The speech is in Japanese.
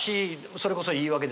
それこそ言い訳ですね。